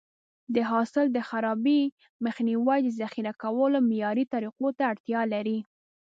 د حاصل د خرابي مخنیوی د ذخیره کولو معیاري طریقو ته اړتیا لري.